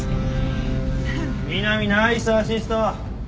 南ナイスアシスト。